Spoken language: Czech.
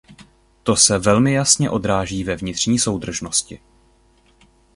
To se velmi jasně odráží ve vnitřní soudržnosti.